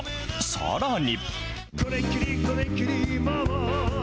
さらに。